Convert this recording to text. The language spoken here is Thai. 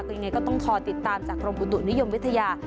ยังไงก็ต้องคอยติดตามจากกรมอุตุนิยมวิทยา